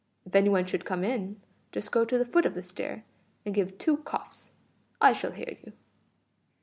If any one should come in, just go to the foot of the stair and give two coughs. I shall hear you."